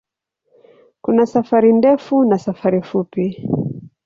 Kuna safari ndefu na safari fupi.